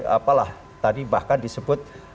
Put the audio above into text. apalah tadi bahkan disebut